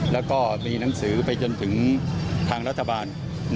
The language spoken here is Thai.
แล้วก็มีหนังสือไปจนถึงทางรัฐบาล